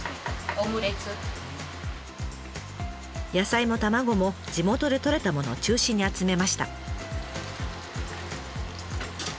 野菜も卵も地元でとれたものを中心に集めました。